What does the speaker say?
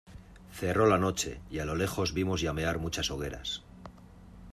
cerró la noche y a lo lejos vimos llamear muchas hogueras.